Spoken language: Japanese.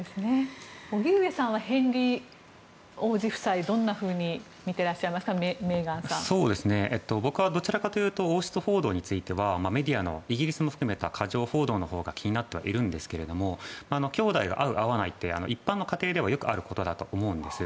荻上さんはヘンリー王子夫妻をどんなふうに見ていらっしゃいますか僕はどちらかというと王室報道というのはメディアのイギリスも含めた過剰報道のほうが気になってはいるんですがきょうだいが会う会わないは一般の家庭ではよくあることだと思うんです。